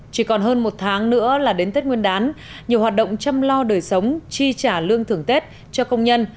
chỉ còn hơn một tháng nữa là đến tết nguyên đán nhiều hoạt động chăm lo đời sống chi trả lương thưởng tết cho công nhân